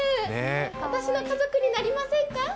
私の家族になりませんか？